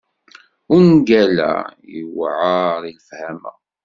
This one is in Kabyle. Ungal-a yewɛer i lefhama.